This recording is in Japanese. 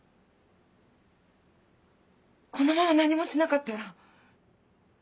このまま何もしなかったら。